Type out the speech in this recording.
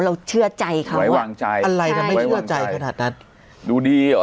เชื่อใจเขาไว้วางใจอะไรจะไม่เชื่อใจขนาดนั้นดูดีเหรอ